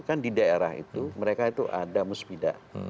kan di daerah itu mereka itu ada musbida